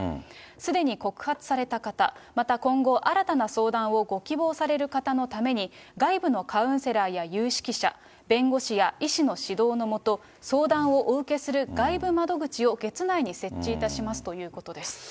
すでに告発された方、また今後、新たな相談をご希望される方のために、外部のカウンセラーや有識者、弁護士や医師の指導の下、相談をお受けする外部窓口を月内に設置いたしますということです。